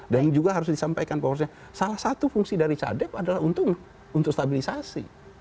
dan juga harus disampaikan salah satu fungsi dari cadep adalah untuk stabilisasi